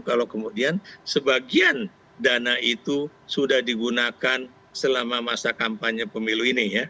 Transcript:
kalau kemudian sebagian dana itu sudah digunakan selama masa kampanye pemilu ini ya